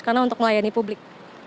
karena untuk melayani publik